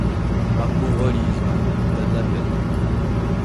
Ma pauvre Lise, va ! t’as de la peine.